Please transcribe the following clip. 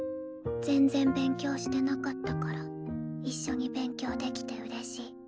全然勉強してなかったから一緒に勉強できてうれしい。